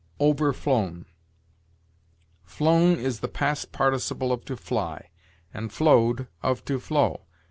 OVERFLOWN. Flown is the past participle of to fly, and flowed of to flow.